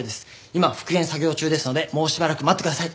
今復元作業中ですのでもうしばらく待ってください。